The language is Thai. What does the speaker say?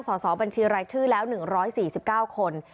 สอบบัญชีรายชื่อแล้ว๑๔๙คน